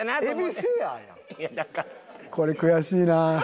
これ悔しいな。